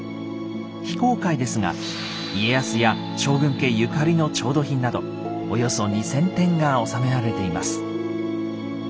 非公開ですが家康や将軍家ゆかりの調度品などおよそ２，０００点が収められています。